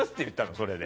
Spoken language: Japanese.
それで。